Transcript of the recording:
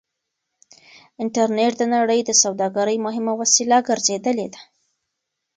انټرنټ د نړۍ د سوداګرۍ مهمه وسيله ګرځېدلې ده.